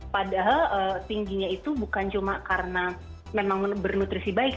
padahal tingginya itu bukan cuma karena memang bernutrisi baik